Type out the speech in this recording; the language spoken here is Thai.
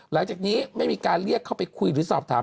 หลังจากนี้ไม่มีการเรียกเข้าไปคุยหรือสอบถาม